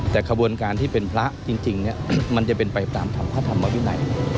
แต่ขบวนการที่เป็นพระจริงมันจะเป็นไปตามพระธรรมวินัย